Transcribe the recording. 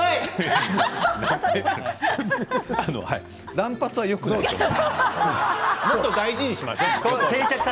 乱発はよくないと思う。